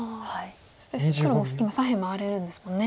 そして黒も今左辺回れるんですもんね。